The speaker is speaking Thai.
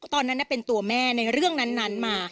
ตอนนั้นเป็นตัวแม่ในเรื่องนั้นมา